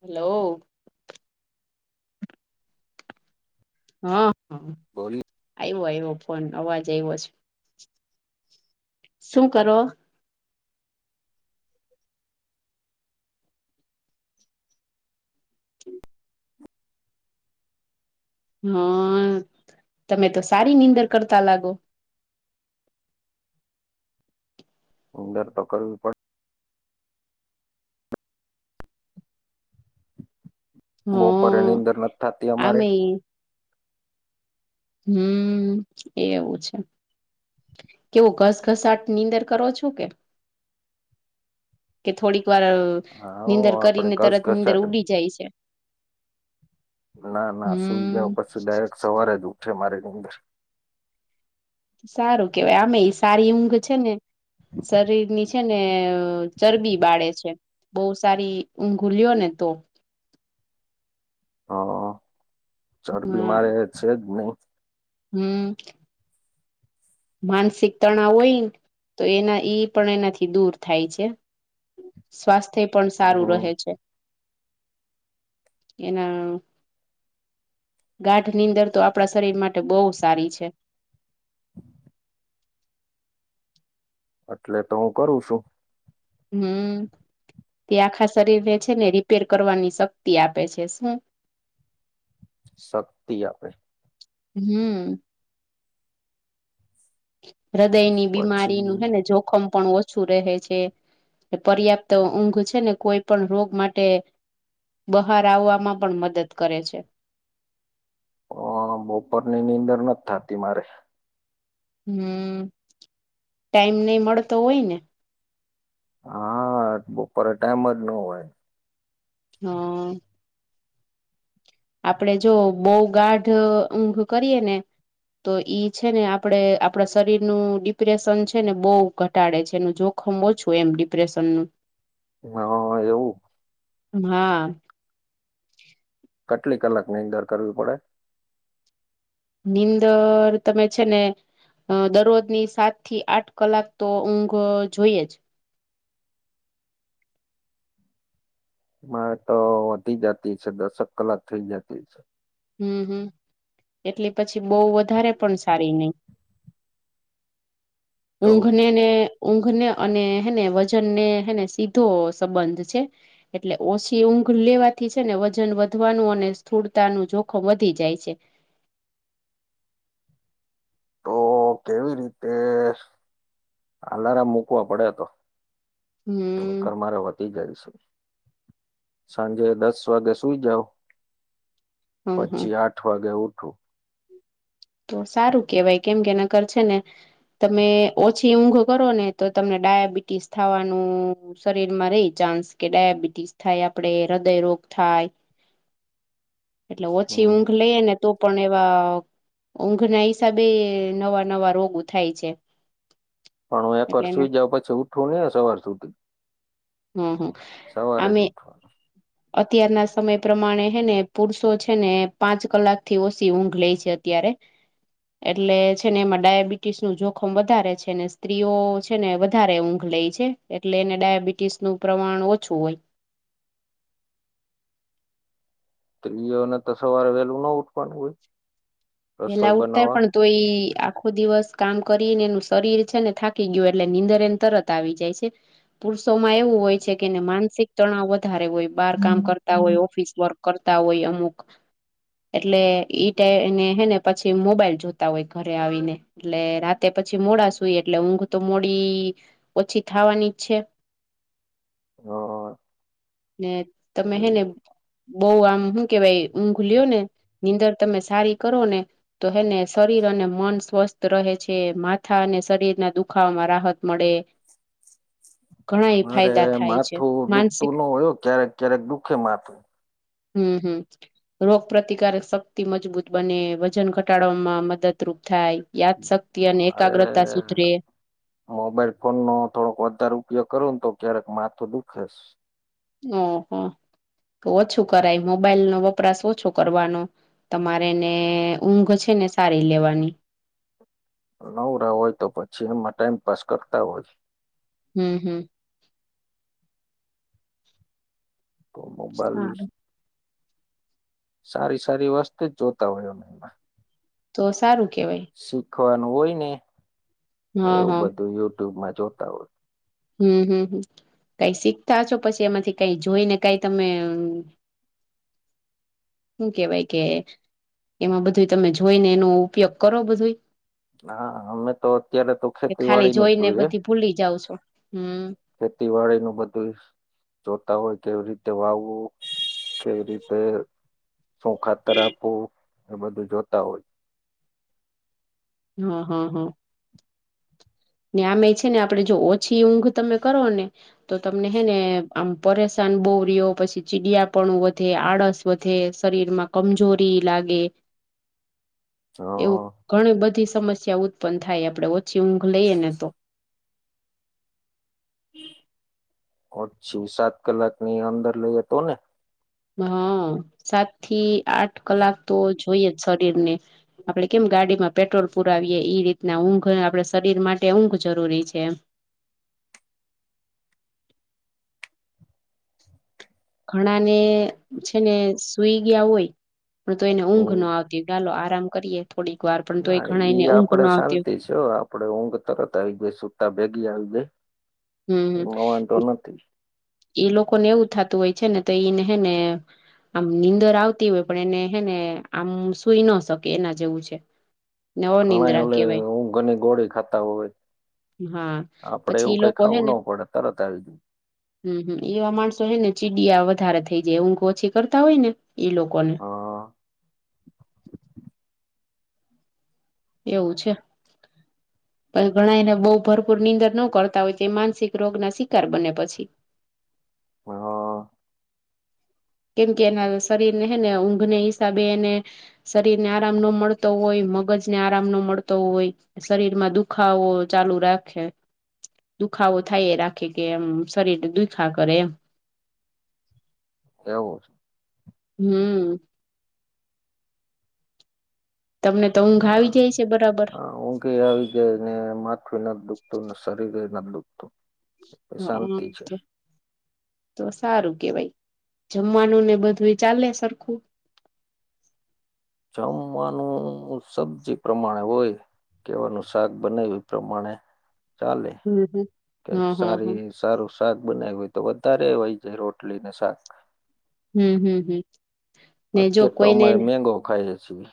Hello. હા બોલી હ આવ એ ફ અવાજ આવ્યો છે, શું કરો? હા, તમે તો સારી નીંદર કરતા લાગો. ઉંદર તો પડ બપોરે હા એની અંદર નથી થતી અમારે. આમે હમ એ એવું છે. કેવું ઘસ ઘસ આટ ની અંદર કરો છો કે? કે થોડીક વાર હા નીંદર આપડે કરીને તરત નીંદર ઘસઘસાટ ઉડી જાય છે? ના ના સુઈ હમ જઓ પછી ડાયરેક સવારે જ ઉઠે મારીની અંદર. સારું કેવાય આમે એ સારી ઊંઘ છે ને, શરીર ની છે ને ચરબી બાળે છે, બહુ સારી ઊઘુલ્યો ને તો. હા, હા ચરબીમારે છે જ નહી. હમ. માનસિક તણાવ હોયને તો એના ઈ પણ એનાથી દૂર થાય છે. સ્વાસ્થ્ય પણ સારું હમ રહે છે. એના ગાંઢ નીંદર તો તો આપડા શરીર માટે બહુ સારી છે [inaudible] એટલે તો હું કરું છું હમ તે આખા શરીરને છે ને રિપેર કરવાની શક્તિ આપે છે શું શક્તિ આપે હમ હૃદયની પછી બીમારીનું હેને જોખમ પણ ઓ છું રહે છે પર્યાપ્ત ઊંઘ છે ને કોઈ પણ રોગ માટે બહાર આવવામાં પણ મદદ કરે છે ઓ બપોરની નીંદર નથી થતી મારે હમ ટાઈમ નઈ મળતો હોય ને હા બપોરે ટાઈમ જ ન હોય હા આપડે જો બહ ગાઢ ઊંઘ કરીએ ને તો ઈ છે ને આપડે આપડા શરીરનું ડિપ્રેશન છે ને બહ ઘટાડે છે એનું જો ખમ ઓછું એમ ડિપ્રેશન નું હા એવું હા કેટલી કલાક નીંદર કરવી પડે નીંદર તમે છે ને અ દરરોજની સાત થી આઠ કલાક તો ઊંઘ જોઈએ જ મારે તો વધી જતી છે દસક કલાક થઈ જતી છે હમ હમ એટલી પછી બઉ વધારે પણ સારી નઈ [inaudible] ઊંઘને ને ઊંઘને અને હેને વજનને હેને સીધો સંબંધ છે એટલે ઓછી ઊંઘ લેવાથી છે ને વજન વધવાનું અને સ્થૂળતાનું જો ખો વધી જાય છે તો કેવી રીતે આલારમ મૂકવા પડે તો હમ પર મારે વધી જાય છે સાંજે દસ વાગે સુઈ જાઓ હમ હમ પછી આઠ ઠ વાગે ઉઠું તો સારું કેવાય કેમ કે નકર છે ને તમે ઓછી ઊંઘ કરો ને તો તમને ડાયાબિટીસ થવાનું શરીર માં રેય ચાન્સ કે ડાયાબિટીસ થાય આપડે હૃદયરોગ થાય [inaudible] એટલે ઓછી હમ ઊંઘ લઈએે ને તો પણ એવા ઊંઘ ના હિસાબે નવા નવા રોગો થાય છે પણ હું એક એટલે વાર એને સુઈ જાવ પછી ઉઠું ની સવાર સુઘી હમ હમ સવારે જ આમે ઉઠવાનું અત્યારના સમય પ્રમાણે હેને પુરુષો છે ને પાંચ કલાક થી ઓછી ઊંઘ લેય છે ત્યારે એટલે છે ને એમાં ડાયાબિટીસ નું જોખમ વધારે છે ને સ્ત્રીઓ છે ને વધારે ઊંઘ લેય છે એટલે એને ડાયાબિટીસ નું પ્રમાણ ઓછું હોય ત્રીયોને તો સવારે વહેલું ના ઉઠવાનું કોઈ એેલા ઉઠતાય પણ તો એ આખો દિવસ કામ કરીને એનું શરીર છે ને થાકી ગયું એટલે નીંદર એન તરત આવી જાય છે પુરુષો માં એવું હોય છે કેને માનસિક તણાવ વધારે હોય બાર કામ કરતા હોય ઓફિસ વર્ક કરતા હોય અમુક એટલે ઈ ટાઈને હે ને પછી મોબાઈલ જોતા હોય ઘરે આવીને એટલે રાતે પછી મોડા સુઈ એટલે ઊંઘ તો મોડી ઓછી થાવાની જ છે હ અ ને તમે હે ને બઉ આમ હુ કેવાય ઊઘ લ્યો ને નીંદર તમે સારી કરો ને તો હેને શરીર અને મન સ્વસ્થ રહે છે માથા અને શરીરના દુખાવા માં રાહત મળે [inaudible] ઘણા મારે ફાયદા થાય છે માથું દુખતું માનસિક નો હોય ક્યારેક ક્યારેક દુખે માથું હમ હમ રોગ પ્ર્રતિકારક શક્તિ મજબૂત બને વજન ઘટાડવામાં મદદરૂપ થાય યાદ શક્તિ અને અરે એકાગ્રતા સુધરે મોબાઈલ ફોન નો થોડોક વધારે ઉપયોગ કરવો ને તો ક્યારેક માથું દુખે શે ઓહો તો ઓછું કરાય મોબાઈલ નો વપરાશ ઓછો કરવાનો તમારેને ઊંઘ છે ને સારી લેવાની નવરા હોય તો પછી એમાં ટાઈમ પાસ કરતા હોય હમ હમ તો મોબાઈલ સારું સારી સારી વાસ્તે જ જોતા હોય એ એમાં તો સારું કેવાય શીખવાનું હોય ને હા એવું હા બધું યુટ્યુબમાં જોતા હોય હમ હમ હમ કઈ શીખતા છો પછી એમાંથી કઈ જોઈ ને કઈ તમે હું કેવાય કે એમાં બધું તમે જોઈને એનો ઉપયોગ કરો બધુંઈ હા અમે તો અત્યારે તો કે ખેતી ખાલી વાડી નું જ જોઈને જોઈએ બધી ભૂલી જઉં છો હમ ખેતીવાડી નું બધું જોતા હોય કેવી રીતે વાવવું કેવી રીતે શુ ખાતર આપવું એ બધું જોતા હોય છે હ હ હ ને અમે છે ને આપેદે જો ઓછી ઊંઘ તમે કરો ને તો તમને હે ને આમ પરેશાન બો રોયો પછી ચીડયાપું વધે આળસ વધ શરીર માં કમજોરી લાગે હા એવુ ઘણી બધી સમસ્યા ઉત્પન્ન થાય આપડે ઓછી ઊંઘ લઈએ ને તો ઓછુ સાત કલાકની અંદર લઈએ તો ને હ સાત થી આઠ કલાક તો જોઈએ જ શરીર ને આપડે કેમ ગાડીમાં પેટ્રોલ પુરાવીએે ઈ રીતના ઊંઘ આપડે શરીર માટે ઊંઘ જરૂરી છે, એમ ઘણા ને છે, ને સુઈ ગીયા હોય પણ તો એને ઊંઘ ન હમ આ ચાલો આરામ કરીએ થોડીક વાર પણ તો એ ઘણાને ઊંઘ નો આવતી હોય જો આપડે ઊંઘ તરત આવી જાય સુતા ભેગી આવી જાય. હમ એમા વાધો નથી. એ લોકો ને એવું થતું હોય છે ને તો ઈને હે ને આમ નીંદર આવતી હોય પણ એને હે ને આમ સુઈ ના શકે એના જેવું છે. ને ઘણા એ અનિદ્રા ઓલે કેવાય ઊંઘ ની ગોળી ખાતા હોય હા આપડે પછી એવું ઈ કઈ ખાવું નો પડે તરત આવી જયું. હમહમ એવા માણસો હે ને ચીડીયા વધારે થઈ જાય ઊંઘ ઓછી કરતા હોય ને એ લોકોને. જાય એવું છે. પણ ઘણા એને બહુ ભરપૂર નીંદર ન કરતા હોય છે માનસિક રોગ ના શિકાર બને પછી. હ હા. કેમ કે એના શરીર ને હે ને ઊંઘને હિસાબે એને શરીર ને આરામ ન મળતો હોય મગજને આરામ ન મળતો હોય શરીર માં દુખાવો ચાલુ રાખે. દુખાવો થાય એ રાખે કે એમ શરીર દુખા કરે એમ. એવું છે. હમ. તમને તો ઊંઘ આવી જાય છે બરાબર. ઊગે આવી જાય ને માથુ નથી દુખતું શરીરે નથી દુખતું. હ શાંતિ છે હ તો સારું કેવાય જમવાનું ને બધું એ ચાલે સરખું. જમવાનું સબ્જી પ્રમાણે હોય. કેવાનું શાક બનાવી પ્રમાણે ચાલે હમ હમ કેક હા હા હા સારી. સારું શાક બનાવ હોય તો વધારે હોય જ રોટલી ને શાક. હમ હમ હમ. ને જો અત્યારે તો અમારે કોઈને મેગો ખાઈએ છીએ.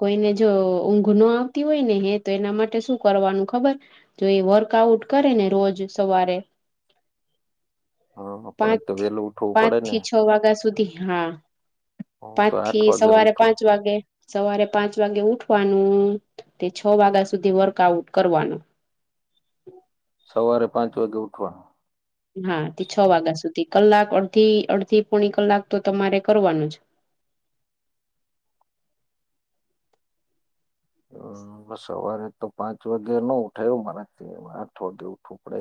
કોઈને જો ઊંઘ ન આવતી હોય ને હે તો એના માટે શું કરવાનું ખબર જો એ વર્કઆઉટ કરે ને રોજ સવારે હા પણ એ પાંચ તો વેલું ઉઠવું પાંચ પડે ને થી છ વાગ્યા સુધી હા. હું પાંચ તો આઠ થી વાગે સવારે ઉઠું પાંચ વાગે સવારે પાંચ વાગે ઉઠવાનું તે છ વાગ્યા સુધી વર્કઆઉટ કરવાનું. સવારે પાંચ વાગે ઉઠવાનું. હા તે છ વાગ્યા સુધી કલાક અડધી અડધી પોણી કલાક તો તમારે કરવાનું જ. હ હા સવારે તો પાંચ વાગે ન ઉઠાયું મરા આઠ વાગે ઉઠવું પડે.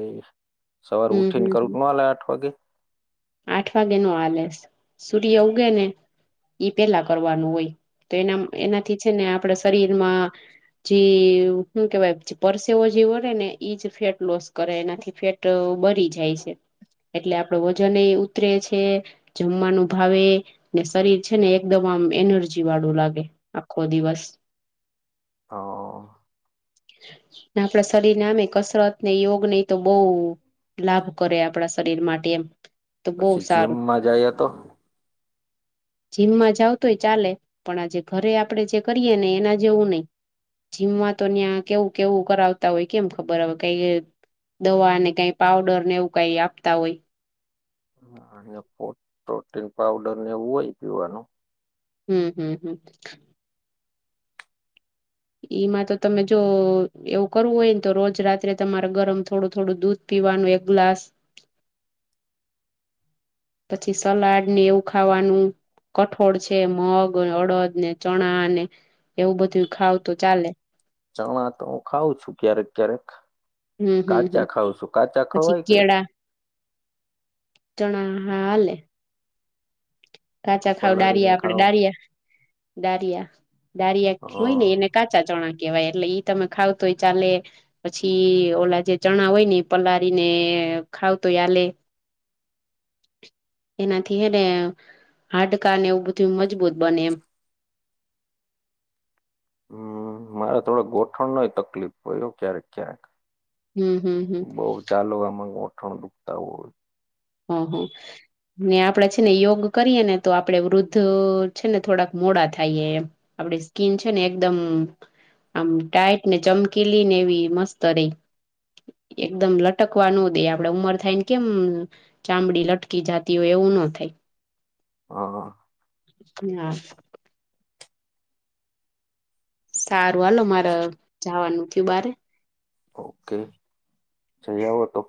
સવાર હમ ઉઠીન હમ હમ કરું ના હાલે આઠ વાગે. આઠ વાગે નો હાલે સૂર્ય ઉગે ને ઈ પેલા કરવાનું હોય તો એના એનાથી છે ને આપડા શરીરમાં જે શું કેવાય પરસેવો જે વરે ને એઈજ ફેટ લોસ કરે એનાથી ફેટ તો બરી જાય છે એટલે આપડો વજન એ ઉતરે છે જમવાનું ભાવે. ને શરીર છે ને એકદમ આમ એનજી વાળું લાગે આખો દિવસ. હા આપણા શરીરને આમે કસરત ને યોગ નહી તો બહુ લાભ કરે આપણા શરીર માટે એમ તો બહુ પછી સારું. જીમમાં જઈએ [inaudible] જીમમાં જાવ તોય ચાલે પણ આજે ઘરે આપડે જે કરીએે ને એના જેવું નહી. જીમમાં તો ત્યાં કેવું કેવું કરાવતા હોય કેમ ખબર હ કઈ દવા ને કઈ પાવડર ને એવું કઈ આપતા હોય. અને પ્રોટીન પાવડર ને લેવું હોય પીવાનું. હમ હમ હમ એઈમાં તો તમે જો એવું કરવું હોય ને તો રોજ રાત્રે તમારે ગરમ થોડું થોડું દૂધ પીવાનું એક ગ્લાસ પછી સલાડ ને એવું ખાવાનું કઠોળ છે મગ અડદ ને ચણા ને એવું બધું ખાવુ તો ચાલે. ચણા તો હું ખઉં છું ક્યારેક ક્યારેક હમ હમ હમ કાચા ખઉં છું કાચા પછી ખાવાય કે કેળા ચણા હા હલે. કે કાચા ખવડાવીએ પલાળીને ખાવ ડારિયા આપડે ડારિયા ડારિયા હ દારિયા હોય ને એને કાચા ચણા કેહેવાય એટલે ઈ તમે ખાવ તો ઈ હોય ચાલે પછી ઓલા જે ચણા હોય ને પલાળીને ખાવ તો એ હલે. [inaudible] એનાથી હે ને હાડકા ને એવું બધું મજબૂત બને એમ. હમ્મ મારે થોડો ગોઠણ નય તકલીફ પડે એવું ક્યારેક ક્યારેક. હમ હમ હમ બઉ ચાલો આમાં ગોઠવનું હા હા. ને આપડે છે ને યોગ કરીએ ને તો આપડે વૃદ્ધ છે ને થોડાક મોડા થઈએ એમ. આપડી સ્કીન છે ને એકદમ આમ ટાઈટ ને ચમકીલીઈ ને એવી મસ્ત રેહ. એકદમ લટકવાનું દે આપડે ઉમર થાયને કેમ ચામડી લટકી જતી હોય એવું ન થાય. હા. [unintelligible] સારું હાલો મારે જવાનું થયું બારે. ઓકે જઈ આવો તો.